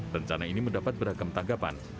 rencana ini mendapat beragam tanggapan